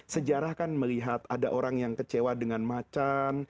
sejarah kan melihat ada orang yang kecewa dengan macan